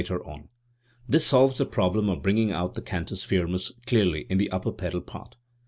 This solves the problem of bringing out the cantus ftrtnus clearly in the upper pedal part.